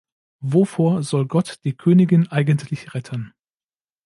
Wovor soll Gott die Königin eigentlich retten?